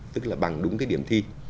tức là bằng đúng cái điểm thi